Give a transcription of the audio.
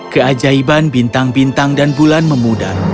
keajaiban bintang bintang dan bulan memudar